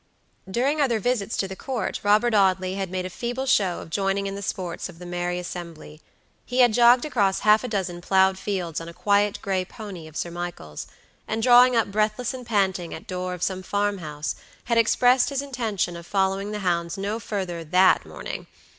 During other visits to the Court Robert Audley had made a feeble show of joining in the sports of the merry assembly. He had jogged across half a dozen ploughed fields on a quiet gray pony of Sir Michael's, and drawing up breathless and panting at the door of some farm house, had expressed his intention of following the hounds no further that morning.